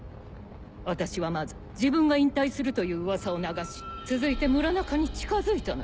私はまず自分が引退するという噂を流し続いて村中に近づいたのよ。